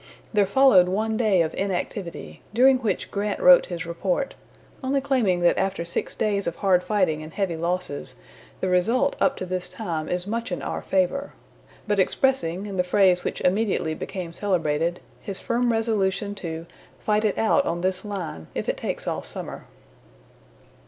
There followed one day of inactivity, during which Grant wrote his report, only claiming that after six days of hard fighting and heavy losses "the result up to this time is much in our favor"; but expressing, in the phrase which immediately became celebrated, his firm resolution to "fight it out on this line if it takes all summer."